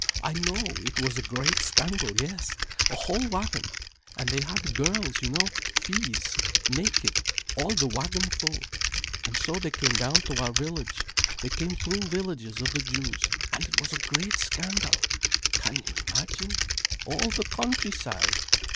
"I know it was a great scandal: yes—a whole wagon, and they had girls, you know, filles, naked, all the wagon full, and so they came down to our village. They came through villages of the Jews, and it was a great scandal. Can you imagine? All the countryside!